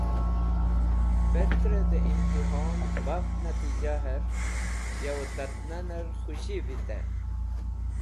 Petre de Imtihon baf natijaher yowey tatner Khushi Vitey